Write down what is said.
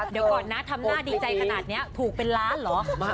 เดี๋ยวก่อนนะทำหน้าดีใจขนาดนี้ถูกเป็นล้านเหรอ